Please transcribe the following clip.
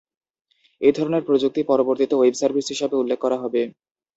এই ধরনের প্রযুক্তি পরবর্তীতে "ওয়েব সার্ভিস" হিসাবে উল্লেখ করা হবে।